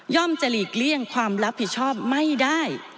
จะหลีกเลี่ยงความรับผิดชอบไม่ได้